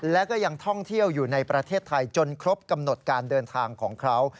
และก็ยังท่องเที่ยวอยู่ในประเทศไทยจนครบกำหนดการเดินทางของเขา